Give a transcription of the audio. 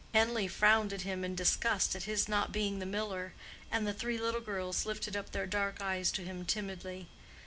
Henleigh frowned at him in disgust at his not being the miller, and the three little girls lifted up their dark eyes to him timidly.